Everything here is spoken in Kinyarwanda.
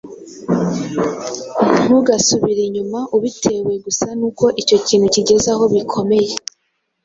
ntugasubire inyuma ubitewe gusa nuko icyo kintu kigeze aho bikomeye.